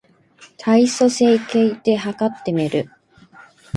体組成計で計ってみる